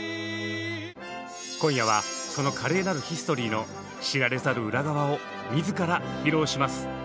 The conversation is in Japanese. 今夜はその華麗なるヒストリーの知られざる裏側を自ら披露します！